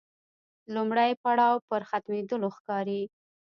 لومړی پړاو پر ختمېدلو ښکاري.